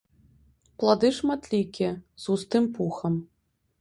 Плады шматлікія, з густым пухам.